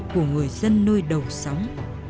của người dân nơi đầu sống